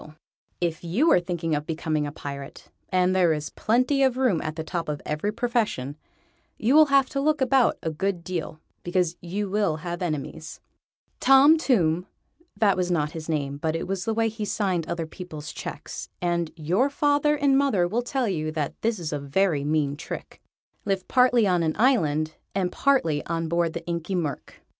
If you are thinking of becoming a Pirate and there is plenty of room at the top of every profession you will have to look about a good deal, because you will have enemies. [Illustration: He dreams of other worlds to conquer.] Tom Tomb that was not his name, but it was the way he signed other people's cheques, and your father and mother will tell you that this is a very mean trick lived partly on an island, and partly on board the Inky Murk.